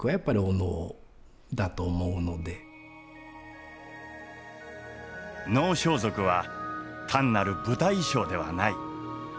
能装束は単なる舞台衣装ではない。